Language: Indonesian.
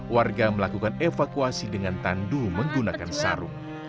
warga melakukan evakuasi dengan tandu menggunakan sarung